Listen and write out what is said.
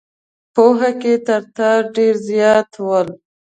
پوهه کې تر تا ډېر زیات ول.